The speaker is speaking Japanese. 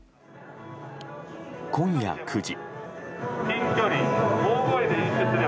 今夜９時。